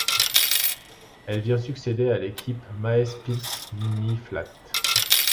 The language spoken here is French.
Elle vient succéder à l'équipe Maes Pils-Mini Flat.